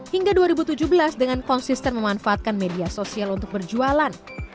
hingga dua ribu tujuh belas dengan konsisten memanfaatkan media sosial untuk berjualan